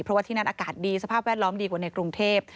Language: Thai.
เพราะว่าที่นั่นอากาศดีสภาพแวดล้อมดีกว่าในกรุงเทพ